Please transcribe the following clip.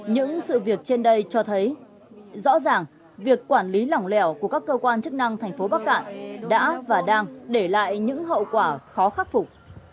những sự việc trên đây cho thấy rõ ràng việc quản lý lỏng lẻo của các cơ quan chức năng thành phố bắc cạn đã và đang để lại những hậu quả khó khắc phục